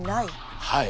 はい。